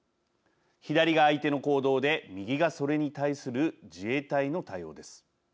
左が相手の行動で右がそれに対する自衛隊の対応です。